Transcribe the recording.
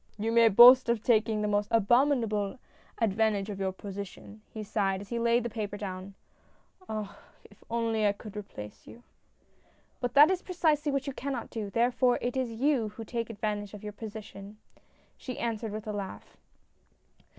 " You may boast of taking the most abominable advantage of your position," he sighed, as he laid the paper down. " Ah, if I could only replace you !"" But that is precisely what you cannot do, therefore, it is you who take advantage of your position," she answered with a laugh.